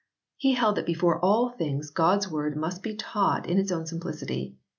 He held that before all things God s Word must be taught in its own simplicity.